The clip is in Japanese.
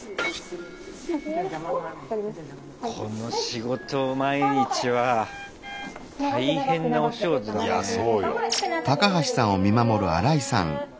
この仕事を毎日は大変なお仕事だね。